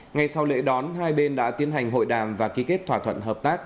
ngay sau lễ đón hai bên đã tiến hành hội đàm và ký kết thỏa thuận hợp tác